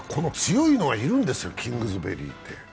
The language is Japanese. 強いのがいるんですよ、キングズベリーって。